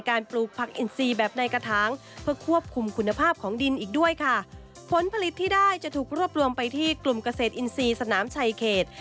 การปลูกได้จะถูกรวบรวมไปที่กลุ่มเกษตรอินทรีย์สนามชัยเขต